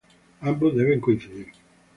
Ambos deben coincidir.